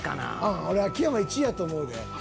うん俺秋山１位やと思うで。